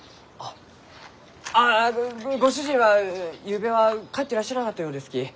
ああご主人はゆうべは帰ってらっしゃらなかったようですき。